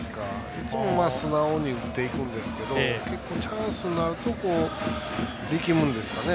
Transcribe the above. いつも素直に打っていくんですが結構、チャンスになると力むんですかね